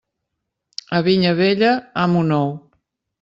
A vinya vella, amo nou.